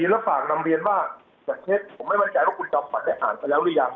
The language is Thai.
ยังไม่ง่อนใจว่าคุณจอมฝันอ่านไปแล้วหรือยัง